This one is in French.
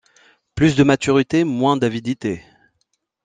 Plus de maturité, moins d'avidité.